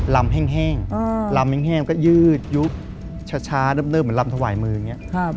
ลำแห้งก็ยืดยุบช้าเหมือนลำถวายมืออย่างนี้